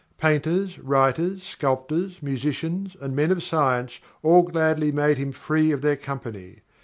Painters, writers, sculptors, musicians, and men of science all gladly made him free of their company.